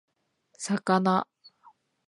魚